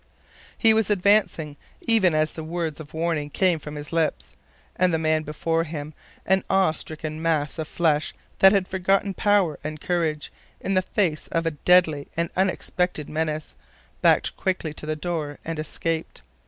He was advancing, even as the words of warning came from his lips, and the man before him, an awe stricken mass of flesh that had forgotten power and courage in the face of a deadly and unexpected menace, backed quickly to the door and escaped.